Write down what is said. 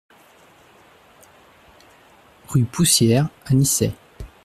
Rue Poussière à Nicey